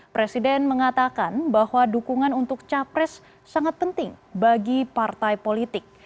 presiden mengatakan bahwa dukungan untuk capres sangat penting bagi partai politik